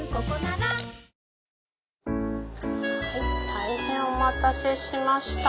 大変お待たせしました。